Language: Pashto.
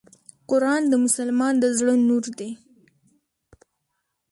قرآن د مسلمان د زړه نور دی .